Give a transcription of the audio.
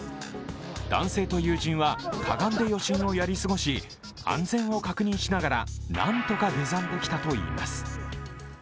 男性と友人はかがんで余震をやり過ごし安全を確認しながら、なんとか下山できたといいます。